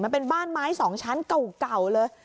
มันเป็นบ้านไม้๒ชั้นเก่าเลย